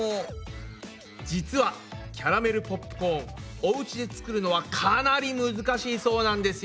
実はキャラメルポップコーンおうちで作るのはかなり難しいそうなんですよ。